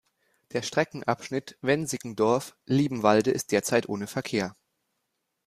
Der Streckenabschnitt Wensickendorf–Liebenwalde ist zurzeit ohne Verkehr.